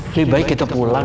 lebih baik kita pulang